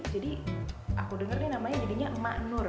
jadi aku dengerin namanya jadinya emak nur